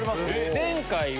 前回は。